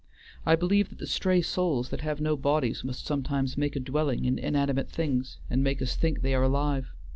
I believe that the stray souls that have no bodies must sometimes make a dwelling in inanimate things and make us think they are alive.